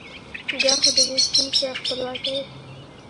ږغ د ې شین شه خپلواکۍ